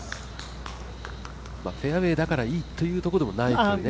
フェアウエーだからいいっていうわけではないっていうね。